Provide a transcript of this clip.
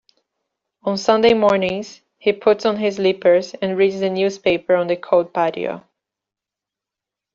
On Sunday mornings, he puts on his slippers and reads the newspaper on the cold patio.